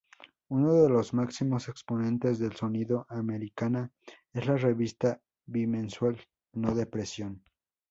Uno de los máximos exponentes del sonido "americana" es la revista bimensual "No Depression".